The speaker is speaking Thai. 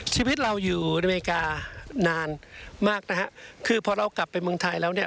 ชีวิตเราอยู่อเมริกานานมากนะฮะคือพอเรากลับไปเมืองไทยแล้วเนี่ย